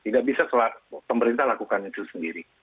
tidak bisa pemerintah lakukan itu sendiri